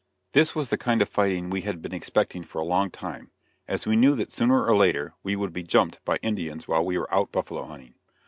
This was the kind of fighting we had been expecting for a long time, as we knew that sooner or later we would be "jumped" by Indians while we were out buffalo hunting.